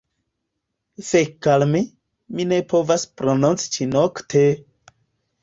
Fek al mi, mi ne povas prononci ĉi-nokte!